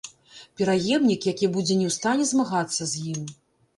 Пераемнік, які будзе не ў стане змагацца з ім.